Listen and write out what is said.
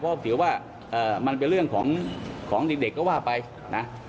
เพราะถือว่ามันเป็นเรื่องของเด็กก็ว่าไปนะ